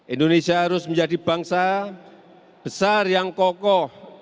indonesia harus menjadi bangsa besar yang kokoh